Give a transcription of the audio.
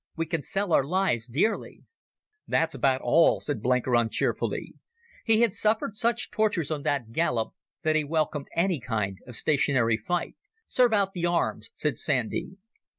We can sell our lives dearly." "That's about all," said Blenkiron cheerfully. He had suffered such tortures on that gallop that he welcomed any kind of stationary fight. "Serve out the arms," said Sandy.